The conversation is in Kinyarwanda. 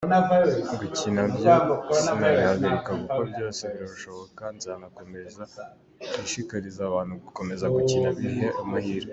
Gukina byo sinabihagarika kuko byose birashoboka, nzanakomeza nshishikarize abantu gukomeza gukina bihe amahirwe.